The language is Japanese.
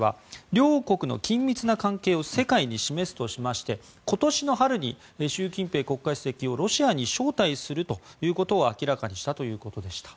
また、プーチン大統領会談の中では両国の緊密な関係を世界に示すとしまして今年の春に習近平国家主席をロシアに招待するということを明らかにしたということでした。